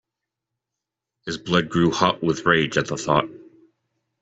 His blood grew hot with rage at the thought.